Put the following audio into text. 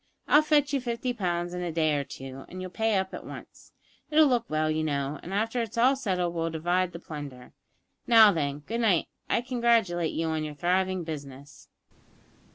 I'll fetch you fifty pounds in a day or two, and you'll pay up at once. It'll look well, you know, and after it's all settled we'll divide the plunder. Now then, good night. I congratulate you on your thriving business."